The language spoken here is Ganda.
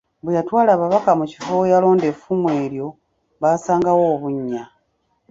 Bwe yatwala ababaka mu kifo we yalonda effumu eryo, baasangawo obunnya.